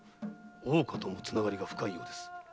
大岡とも繋がりが深いようです。